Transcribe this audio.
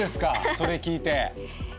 それ聞いて。